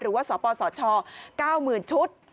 หรือว่าสปสช๙๐๐๐ชุด